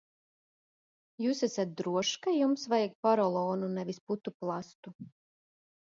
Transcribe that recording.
Jūs esat drošs, ka jums vajag porolonu, nevis putuplastu?